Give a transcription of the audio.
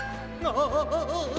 ああ！